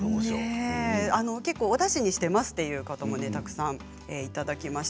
おだしにしていますという方もたくさんいただきました。